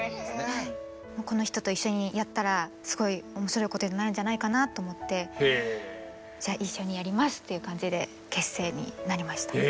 この人と一緒にやったらすごい面白いことになるんじゃないかなと思ってじゃあ一緒にやりますっていう感じで結成になりました。